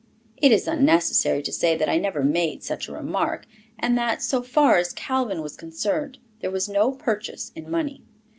It is unnecessary to say that I never made such a remark, and that, so far as Calvin was concerned, there was no purchase in money.